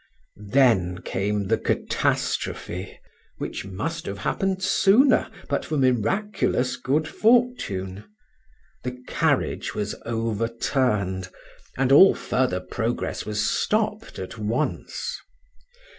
Then came the catastrophe, which must have happened sooner but for miraculous good fortune; the carriage was overturned, and all further progress was stopped at once.